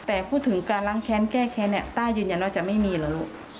แต่พูดถึงการล้างแค้นแก้แค้นต้ายยืนอย่างนอกจะไม่มีหรือ